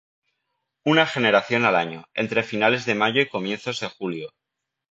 Una generación al año, entre finales de mayo y comienzos de julio.